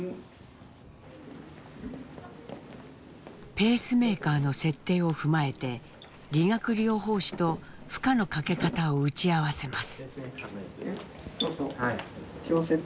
ペースメーカーの設定を踏まえて理学療法士と負荷のかけ方を打ち合わせます。